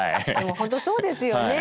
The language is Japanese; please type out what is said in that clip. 本当そうですよね。